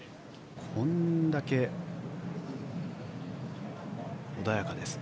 これだけ穏やかです。